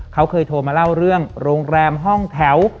เขาเคยโทรมาเล่าเรื่องโรงแรมห้องแถว